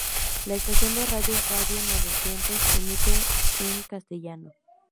La estación de radio "Radio Novecientos" emite en castellano.